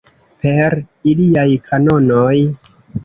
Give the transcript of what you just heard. Per iliaj kanonoj?